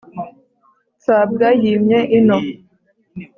nsabwa yimye ino.